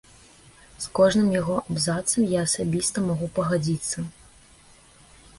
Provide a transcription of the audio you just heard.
З кожным яго абзацам я асабіста магу пагадзіцца.